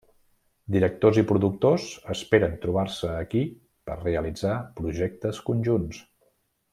Directors i productors esperen trobar-se aquí per realitzar projectes conjunts.